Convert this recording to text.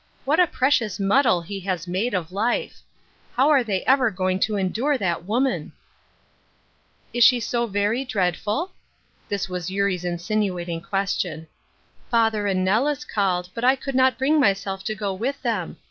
What a precious mud dle he has made of life ! How are they ever going to endure that woman?'* " Is she so very dreadful ?" This was Eurie's insinuating question. "Father and Nellis called, but I could not bring myself to go with them.